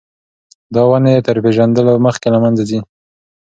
دا ونې تر پېژندلو مخکې له منځه ځي.